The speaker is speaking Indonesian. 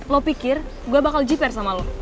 lo pikir gue bakal jipare sama lo